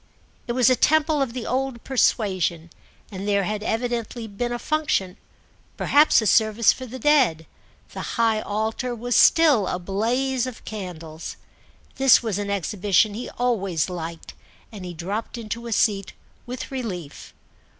It was a temple of the old persuasion, and there had evidently been a function—perhaps a service for the dead; the high altar was still a blaze of candles. This was an exhibition he always liked, and he dropped into a seat with relief.